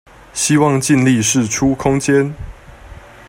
希望盡力釋出空間